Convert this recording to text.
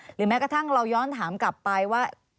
แม้กระทั่งเราย้อนถามกลับไปว่า